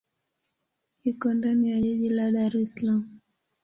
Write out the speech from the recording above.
Iko ndani ya jiji la Dar es Salaam.